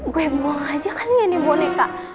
gue buang aja kan gini boneka